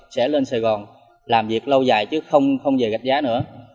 sẽ lên sài gòn làm việc lâu dài chứ không về gạch giá nữa